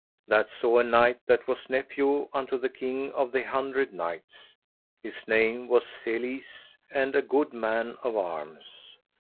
That saw a knight that was nephew unto the King of the Hundred Knights; his name was Selises, and a good man of arms.